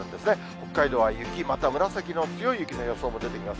北海道は雪また紫色の強い雪の予想も出てきます。